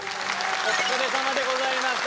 お疲れさまでございました